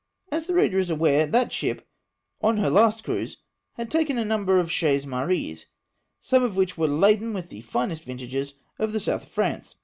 As the reader is aware, that ship — on her last cruise — had taken a number of chasse marees, some of which were laden with tlie finest vintages of the south of France.